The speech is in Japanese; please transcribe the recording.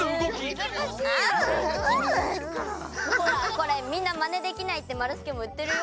これみんなマネできないってまるすけもいってるよ。